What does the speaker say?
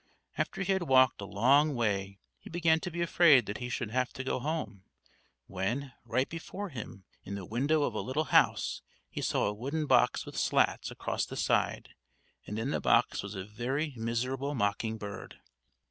After he had walked a long way, he began to be afraid that he should have to go home, when, right before him, in the window of a little house, he saw a wooden box with slats across the side; and in the box was a very miserable mocking bird!